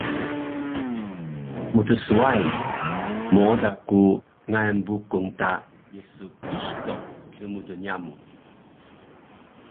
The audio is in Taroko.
Mtswai, mooda ku ngayan Bukung ta Yesu Kiristo dmudul yamu